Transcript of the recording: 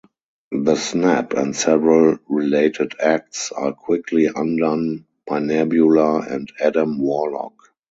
The Snap and several related acts are quickly undone by Nebula and Adam Warlock.